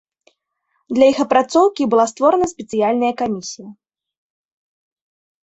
Для іх апрацоўкі была створана спецыяльная камісія.